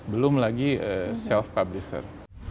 belum lagi self publisher